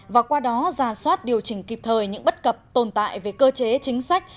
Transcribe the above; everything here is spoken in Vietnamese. và qua đó ra soát điều chỉnh kịp thời những bất cập tồn tại về cơ chế chính sách